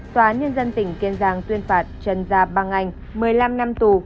tòa nhân dân tỉnh kiên giang tuyên phạt trần gia băng anh một mươi năm năm tù